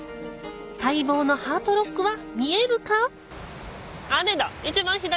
待望のハートロックは見えるか？